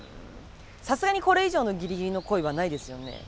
さすがにこれ以上のギリギリの恋はないですよね？